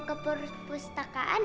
kalau kamu ke perpustakaan